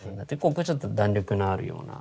ここちょっと弾力のあるような。